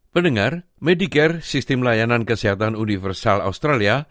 pendengar medicare sistem layanan kesehatan universal australia